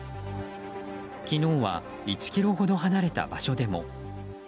昨日は１ｋｍほど離れた場所でも。